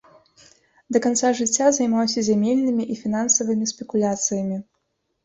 Да канца жыцця займаўся зямельнымі і фінансавымі спекуляцыямі.